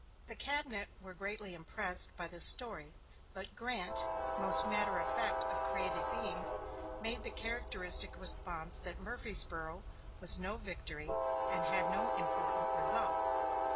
The cabinet were greatly impressed by this story; but Grant, most matter of fact of created beings, made the characteristic response that "Murfreesboro was no victory, and had no important results."